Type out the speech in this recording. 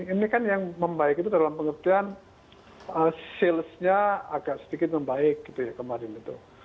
ini kan yang membaik itu dalam pengertian salesnya agak sedikit membaik gitu ya kemarin itu